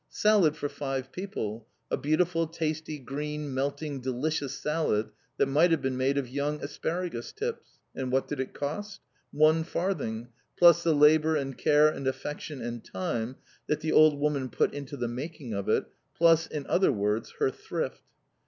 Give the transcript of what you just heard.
Salad for five people a beautiful, tasty, green, melting, delicious salad that might have been made of young asparagus tips! And what did it cost? One farthing, plus the labour and care and affection and time that the old woman put into the making of it plus, in other words, her thrift!